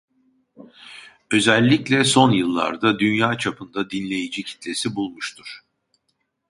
Özellikle son yıllarda Dünya çapında dinleyici kitlesi bulmuştur.